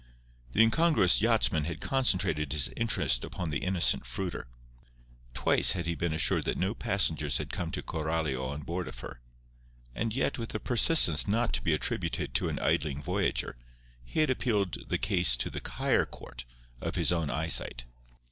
The incongruous yachtsman had concentrated his interest upon the innocent fruiter. Twice had he been assured that no passengers had come to Coralio on board of her. And yet, with a persistence not to be attributed to an idling voyager, he had appealed the case to the higher court of his own eyesight.